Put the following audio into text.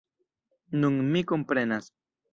Nun mi komprenas.